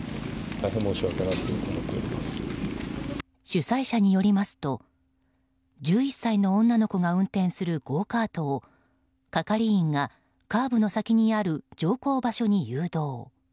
主催者によりますと１１歳の女の子が運転するゴーカートを係員がカーブの先にある乗降場所に誘導。